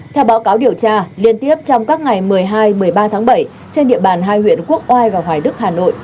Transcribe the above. theo báo cáo điều tra liên tiếp trong các ngày một mươi hai một mươi ba tháng bảy trên địa bàn hai huyện quốc oai và hoài đức hà nội